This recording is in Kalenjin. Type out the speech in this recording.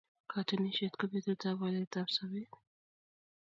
Katunisyet ko betutab waleetab sobeet.